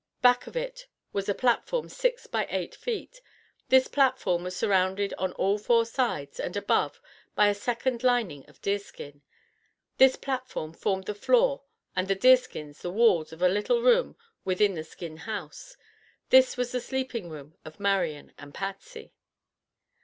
Back of it was a platform six by eight feet. This platform was surrounded on all four sides and above by a second lining of deerskin. This platform formed the floor and the deerskins the walls of a little room within the skin house. This was the sleeping room of Marian and Patsy.